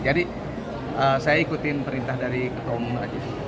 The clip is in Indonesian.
jadi saya ikutin perintah dari ketua umum aja